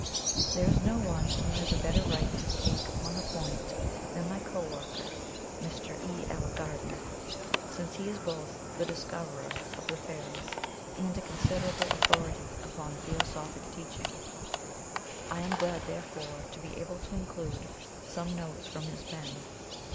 There is no one who has a better right to speak upon the point than my co worker, Mr. E. L. Gardner, since he is both the dis coverer of the fairies and a considerable au thority upon theosophic teaching. I am glad, therefore, to be able to include some notes from his pen.